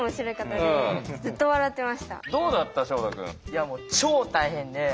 いやもう超大変で。